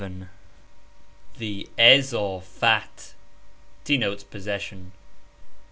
54 THE IZAFAT (denotes possession).